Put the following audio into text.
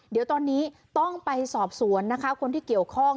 เดี๋ยวตอนนี้ต้องไปสอบสวนนะคะคนที่เกี่ยวข้อง